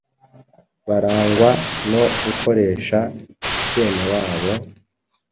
barangwa no gukoresha ikenewabo,